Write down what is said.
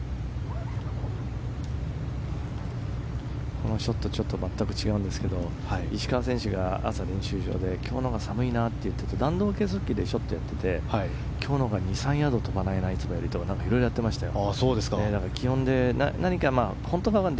このショット全く違うんですけど石川選手が朝、練習場で今日のほうが寒いなと弾道計測器でショットをやっていて今日のほうが２３ヤードいつもより飛ばないといろいろやってましたよ。